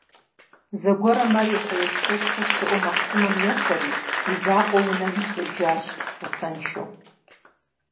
Зэгуэрым ар ефэ-ешхэшхуэ щыӀэу махъсымэ ефэри, и закъуэу унэм ежьэжащ, гъусэншэу.